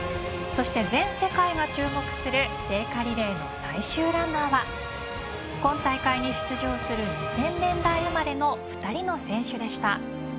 そして、全世界が注目する聖火リレーの最終ランナーは今大会に出場する２０００年代生まれの２人の選手でした。